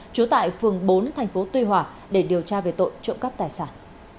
trú tại phường bốn tp tuy hòa để điều tra về tội trộm cắp tài sản